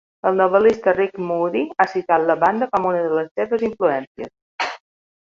El novel·lista Rick Moody ha citat la banda com una de les seves influències.